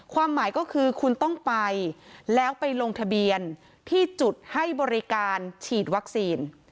ความหมายก็คือคุณต้องไปแล้วไปลงทะเบียนที่จุดให้บริการฉีดวัคซีน